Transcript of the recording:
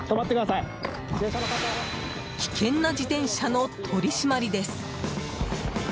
危険な自転車の取り締まりです。